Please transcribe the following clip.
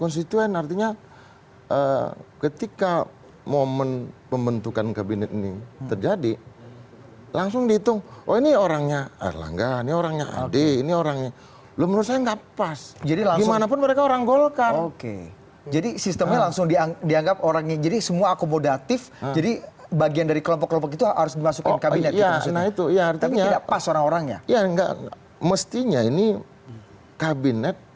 sekarang gus diasosmet orasari